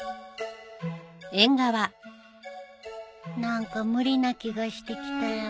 何か無理な気がしてきたよ。